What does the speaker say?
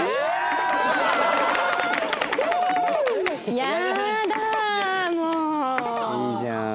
いいじゃん。